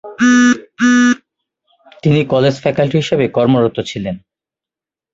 তিনি college faculty হিসেবে কর্মরত ছিলেন।